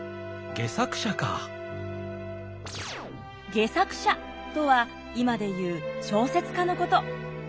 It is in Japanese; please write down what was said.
戯作者とは今で言う小説家のこと。